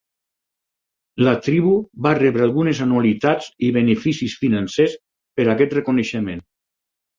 La tribu va rebre algunes anualitats i beneficis financers per aquest reconeixement.